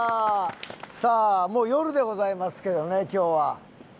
さあもう夜でございますけどね今日は。